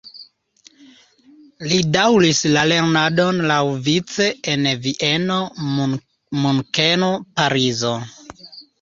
Li daŭris la lernadon laŭvice en Vieno, Munkeno, Parizo.